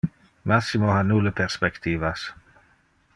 Massimo ha nulle perspectivas.